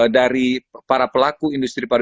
dari para pelaku industri pariwisata